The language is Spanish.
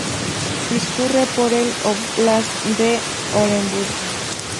Discurre por el óblast de Oremburgo.